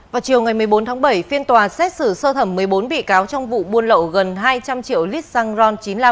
vào chiều ngày một mươi bốn tháng bảy phiên tòa xét xử sơ thẩm một mươi bốn bị cáo trong vụ buôn lậu gần hai trăm linh triệu lít xăng ron chín mươi năm